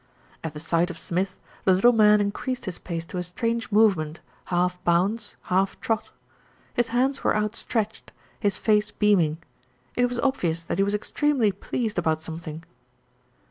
'At the sight of Smith, the little man increased his pace to a strange movement, half bounce, half trot. His hands were outstretched, his face beaming. It was obvious that he was extremely pleased about some thing.